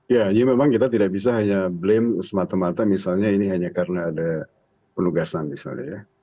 ya memang kita tidak bisa hanya blame semata mata misalnya ini hanya karena ada penugasan misalnya ya